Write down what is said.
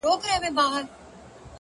مهرباني د خاموش نفوذ ځواک لري